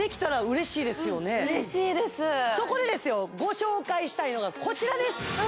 そこでですよご紹介したいのがこちらです